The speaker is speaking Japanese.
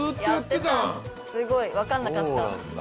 すごい。分かんなかった。